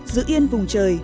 giữ yên vùng trời